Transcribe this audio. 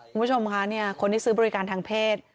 คุณผู้ชมคะคนที่ซื้อบริการทางเพศ